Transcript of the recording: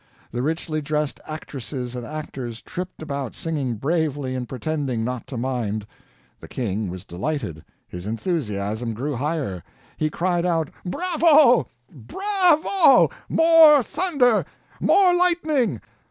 The richly dressed actresses and actors tripped about singing bravely and pretending not to mind it. The King was delighted his enthusiasm grew higher. He cried out: "Bravo, bravo! More thunder! more lightning!